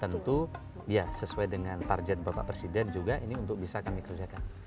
tentu ya sesuai dengan target bapak presiden juga ini untuk bisa kami kerjakan